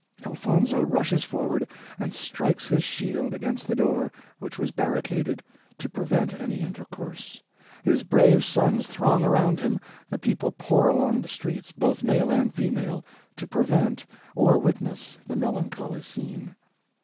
Elfonzo rushes forward and strikes his shield against the door, which was barricaded, to prevent any intercourse. His brave sons throng around him. The people pour along the streets, both male and female, to prevent or witness the melancholy scene.